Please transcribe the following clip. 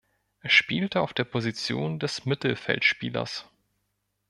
Er spielte auf der Position des Mittelfeldspielers.